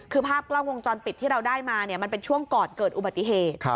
คือภาพกล้องวงจรปิดที่เราได้มามันเป็นช่วงก่อนเกิดอุบัติเหตุ